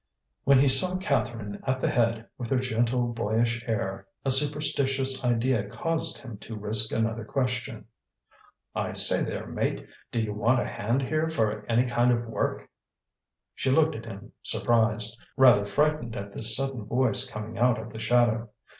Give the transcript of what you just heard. When he saw Catherine at the head, with her gentle boyish air, a superstitious idea caused him to risk another question. "I say there, mate! do they want a hand here for any kind of work?" She looked at him surprised, rather frightened at this sudden voice coming out of the shadow.